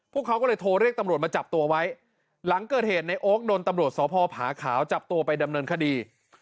พวกเขาก็เลยโทรเรียกตำรวจมาจับตัวไว้หลังเกิดเหตุในโอ๊คโดนตำรวจสพผาขาวจับตัวไปดำเนินคดี